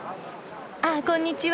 ああこんにちは。